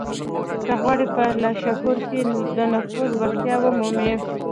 که غواړئ په لاشعور کې د نفوذ وړتيا ومومئ.